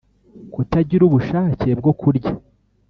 kutagira ubushake bwo kurya